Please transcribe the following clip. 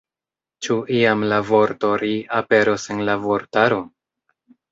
Ĉu iam la vorto ”ri” aperos en la vortaro?